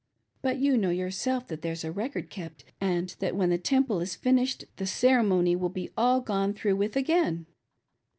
But you know yourself that there's a Record kept, and that when the Temple is finished, the ceremony will be all gone through with again.